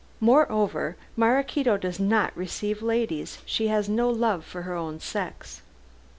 Moreover, Maraquito does not receive ladies. She has no love for her own sex."